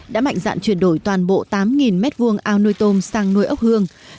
đã mạnh dạn chuyển đổi toàn bộ tám m hai ao nuôi tôm sang nuôi ốc hương